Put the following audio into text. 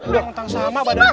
yang sama badannya